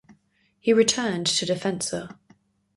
He returned to Defensor.